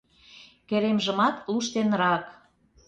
Керемжымат луштенрак